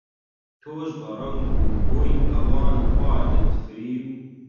تۆش بە ڕەنگ و بۆی ئەوان خواردت فریو؟